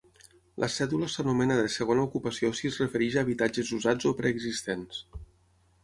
La cèdula s'anomena de segona ocupació si es refereix a habitatges usats o preexistents.